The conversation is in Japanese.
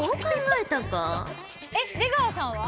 えっ出川さんは？